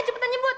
nggak usah ngebut